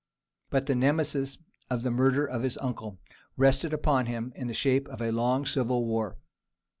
But the Nemesis of the murder of his uncle rested upon him in the shape of a long civil war.